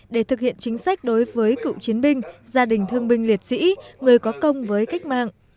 để thực hiện chính sách đối với cựu chiến binh gia đình thương binh liệt sĩ người có công với cách mạng